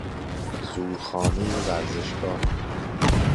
زورخانه ورزشگاه